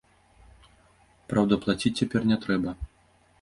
Праўда, плаціць цяпер не трэба.